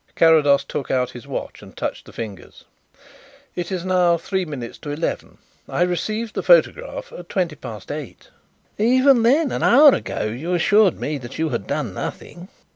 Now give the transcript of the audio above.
Carrados took out his watch and touched the fingers. "It is now three minutes to eleven. I received the photograph at twenty past eight." "Even then, an hour ago you assured me that you had done nothing."